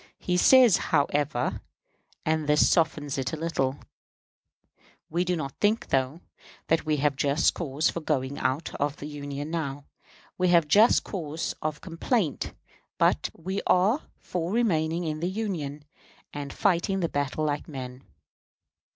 He says, however, and this softens it a little: "We do not think, though, that we have just cause for going out of the Union now. We have just cause of complaint; but we are for remaining in the Union, and fighting the battle like men."